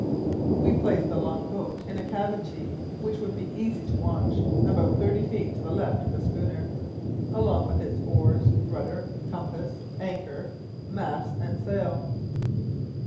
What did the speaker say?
We placed the long boat in a cavity which would be easy to watch, about thirty feet to the left of the schooner, along with its oars, rudder, compass, anchor, masts and sail.